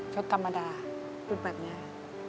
ชุดกรรมดาชุดบัตรงาน